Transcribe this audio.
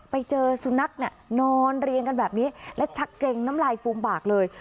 ไปเจอสุนัขเนี่ยนอนเรียงกันแบบนี้และชักเกร็งน้ำลายฟูมปากเลย